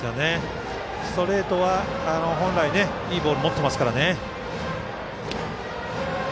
ストレートは本来いいボール持ってますから。